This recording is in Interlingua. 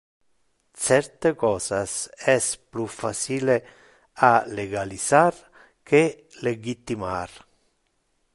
Certe cosas es plus facile a legalisar que legitimar.